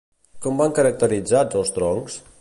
Com van caracteritzats els troncs?